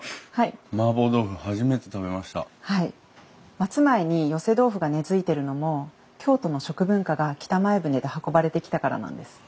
松前に寄せ豆腐が根づいてるのも京都の食文化が北前船で運ばれてきたからなんです。